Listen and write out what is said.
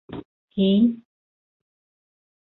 - Һин...